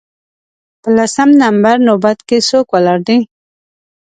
په لسم نمبر نوبت کې څوک ولاړ دی